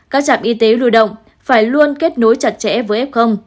các trạm y tế lưu động phải luôn kết nối chặt chẽ với f